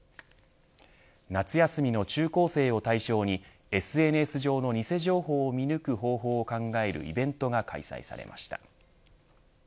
夏休みの中高生を対象にＳＮＳ上の偽情報を見抜く方法を考えるイベントが開催されました。